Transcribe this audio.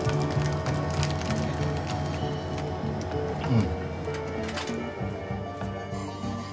うん。